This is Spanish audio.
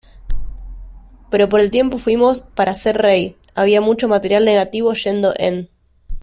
Pero por el tiempo fuimos para hacer Rey, había mucho material negativo yendo en.